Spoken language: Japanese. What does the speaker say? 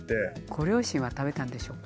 ご両親は食べたんでしょうか。